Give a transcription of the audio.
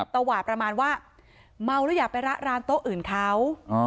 ตวาดประมาณว่าเมาแล้วอย่าไประรานโต๊ะอื่นเขา